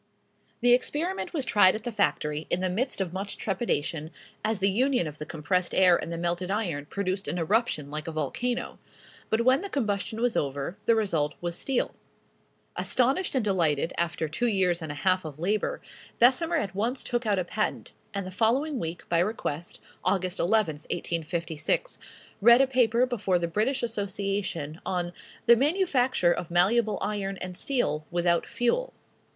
The experiment was tried at the factory, in the midst of much trepidation, as the union of the compressed air and the melted iron produced an eruption like a volcano; but when the combustion was over, the result was steel. Astonished and delighted, after two years and a half of labor, Bessemer at once took out a patent; and the following week, by request, Aug. 11, 1856, read a paper before the British Association, on "The manufacture of malleable iron and steel without fuel."